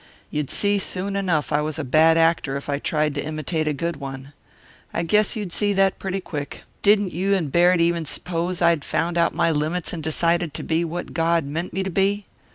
You'd see soon enough I was a bad actor if I tried to imitate a good one. I guess you'd see that pretty quick. Didn't you and Baird even s'pose I'd found out my limits and decided to be what God meant me to be?